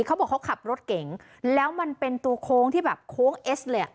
เขาบอกเขาขับรถเก๋งแล้วมันเป็นตัวโค้งที่แบบโค้งเอสเลยอ่ะ